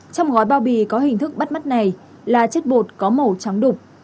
trong gói bao bì có hình thức bắt mắt này là chất bột có màu trắng đục